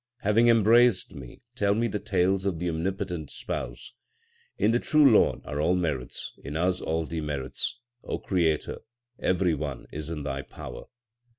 Having embraced me, tell me tales of the Omnipotent Spouse. In the true Lord are all merits, in us all dements. Creator, every one is in Thy power.